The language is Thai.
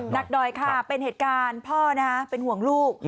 หนักหน่อยค่ะเป็นเหตุการณ์พ่อเป็นห่วงลูก